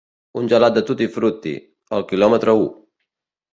Un gelat de 'tutti-frutti'.El quilòmetre u.